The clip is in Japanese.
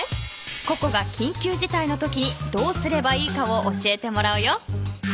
ココがきんきゅうじたいのときにどうすればいいかを教えてもらうよ。